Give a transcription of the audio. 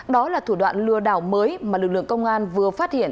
đó là thủ đoạn lừa đảo mới mà lực lượng công an vừa phát hiện